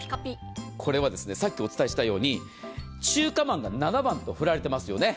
これはさっきお伝えしたように中華まんが７番と振られていますよね。